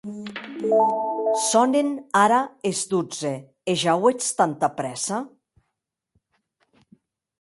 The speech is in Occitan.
Sonen ara es dotze, e ja auetz tanta prèssa?